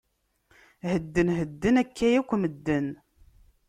Hedden, hedden, akka yakk medden!